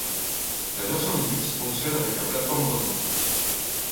La version Linux fonctionne avec la plate-forme Mono.